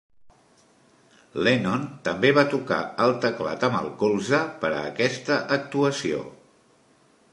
Lennon també va tocar el teclat amb el colze per aquesta actuació.